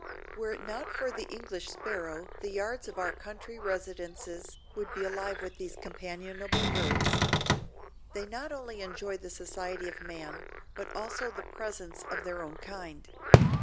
Were it not for the English sparrow the yards of our country residences would be alive with these companionable birds. They not only enjoy the society of man, but also the presence of their own kind.